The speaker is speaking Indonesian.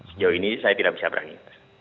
sejauh ini saya tidak bisa berani